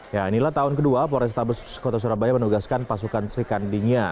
ya inilah tahun kedua polrestabes kota surabaya menugaskan pasukan sri kandinya